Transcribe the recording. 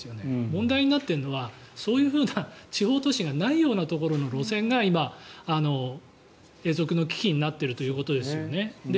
問題になっているのはそういうふうな地方都市がないようなところの路線が今、永続の危機になっているということですよね。